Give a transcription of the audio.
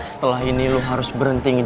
setelah ini lo harus berhenti ngejar dua lo